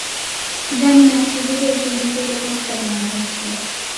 জানি না কী ভেবে এসব বিষয়ে তোকে ওস্তাদ মনে হয়েছিল।